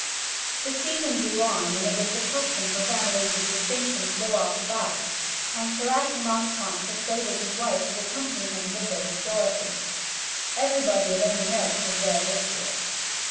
The season drew on when it was the custom for families of distinction to go off to The Bath, and Sir Ashley Mottisfont persuaded his wife to accompany him thither with Dorothy. Everybody of any note was there this year.